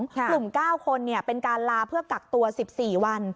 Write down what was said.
กลุ่ม๙คนเป็นการลาเพื่อกักตัว๑๔วัน